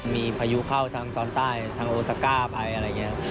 มีพายุเข้าทางตอนใต้ทางโอซาก้าไปอะไรอย่างนี้ครับ